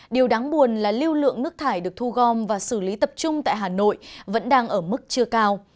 điều đáng buồn là lưu lượng nước thải được thu gom và xử lý tập trung tại hà nội vẫn đang ở mức chưa cao